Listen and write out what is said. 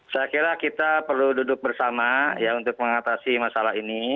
saya kira kita perlu duduk bersama ya untuk mengatasi masalah ini